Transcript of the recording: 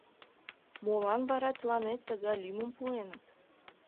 — Молан вара тыланет тыгай лӱмым пуэныт?